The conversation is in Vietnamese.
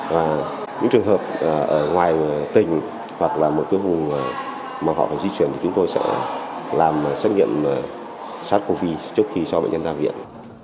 và những trường hợp ở ngoài tỉnh hoặc là một cái vùng mà họ phải di chuyển thì chúng tôi sẽ làm xét nghiệm sars cov trước khi cho bệnh nhân ra viện